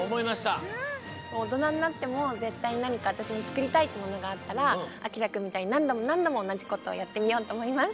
おとなになってもぜったいなにかわたしもつくりたいってものがあったらあきらくんみたいになんどもなんどもおなじことをやってみようとおもいます。